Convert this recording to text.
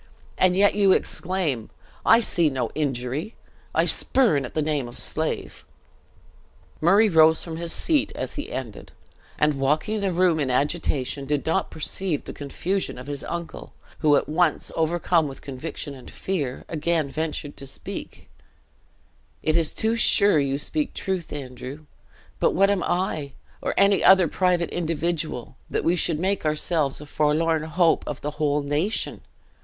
And yet you exclaim, 'I see no injury I spurn at the name of slave!'" Murray rose from his seat as he ended, and walking the room in agitation, did not perceive the confusion of his uncle, who, at once overcome with conviction and fear, again ventured to speak: "It is too sure you speak truth, Andrew; but what am I, or any other private individual, that we should make ourselves a forlorn hope for the whole nation?